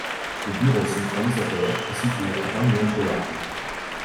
Le bureau centralisateur est situé à Bagnoles-de-l'Orne.